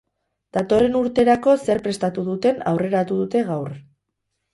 Datorren urterako zer prestatu duten aurreratu dute gaur.